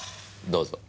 どうぞ。